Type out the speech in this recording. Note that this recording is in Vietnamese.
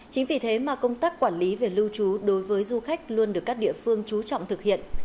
chính vì thế mà công tác quản lý về lưu trú đối với du khách luôn được các địa phương trú trọng thực hiện